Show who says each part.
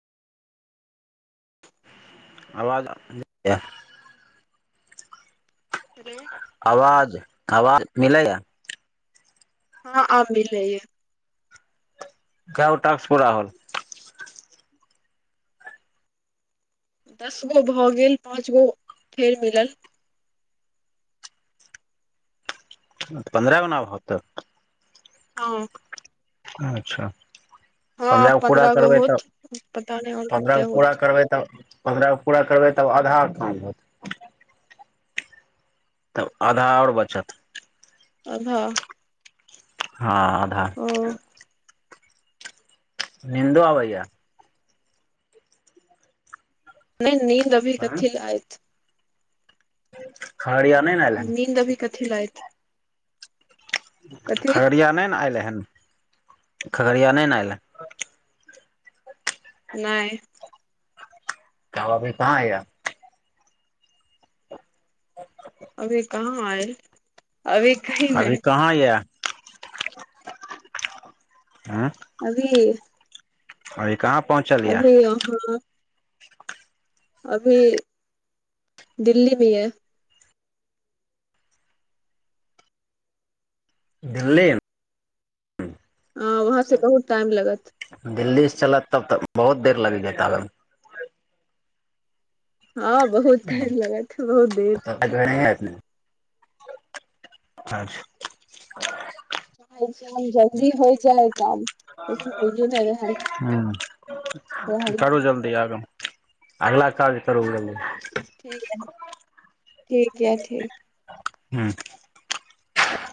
Speaker 1: आवाज जाय यै
Speaker 2: [inaudible]
Speaker 1: आवाज आवाज मिलैयै
Speaker 2: हँ आब मिलै यै
Speaker 1: [unintelligible]
Speaker 2: दस गो भऽ गेल पाँच गो फेर मिलल
Speaker 1: पन्द्रह गो न आब होतौ
Speaker 2: हँ
Speaker 1: अच्छा
Speaker 2: हँ आब
Speaker 1: पन्द्रहगो पूरा
Speaker 2: पन्द्रह गो
Speaker 1: करबै तऽ
Speaker 2: होत पता नहि आओर कते
Speaker 1: पन्द्रहगो पूरा
Speaker 2: होत
Speaker 1: करबै तब पन्द्रह पूरा करबै तब आधा काम होतै तब आधा आओर बचत
Speaker 2: आधा
Speaker 1: हँ आधा
Speaker 2: हँ
Speaker 1: निन्दो आबैयै
Speaker 2: नहि निन्न अभी कथि लेल एत
Speaker 1: खगड़िया नहि ने एल हन
Speaker 2: नीद अभी कथी लेल एत
Speaker 1: खगड़िया नहि ने अयले हेन खगड़िया नहि ने अयलै
Speaker 2: नहि
Speaker 1: तब अभी कहाँ यै
Speaker 2: अभी कहाँ आयल अभी कहीं
Speaker 1: अभी
Speaker 2: नहि
Speaker 1: कहाँ यै [unintelligible]
Speaker 2: अभी
Speaker 1: अभी कहाँ पहुँचल य
Speaker 2: अभी अहाँ अभी दिल्ली भी है
Speaker 1: दिल्ली
Speaker 2: अ वहाँ से बहुत टाइम लगत
Speaker 1: दिल्ली से चलत तब तऽ बहुत देर लगि जैत अबैमे
Speaker 2: हँ बहुत टाइम लगा छै बहुत देर
Speaker 1: मे अच्छा
Speaker 2: जल्दी होइ जाए काम लेकिन होईये नहि रहल
Speaker 1: हूँ करू जल्दी आगाँ अगला काज करू उ बला नहि
Speaker 2: ठीक यै ठीक यै ठीक
Speaker 1: ह्म